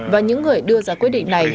và những người đưa ra quyết định này